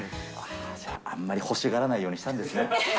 これはじゃあ、あんまり欲しがらないようにしたんですね。